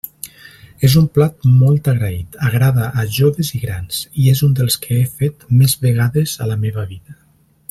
És un plat molt agraït, agrada a joves i grans, i és un dels que he fet més vegades a la meva vida.